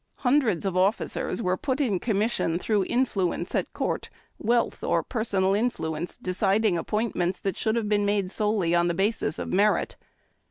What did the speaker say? Hundreds of officers were put in com mission through influence at court, wealth or personal in fluence deciding appointments that should have been made solely on the basis of merit.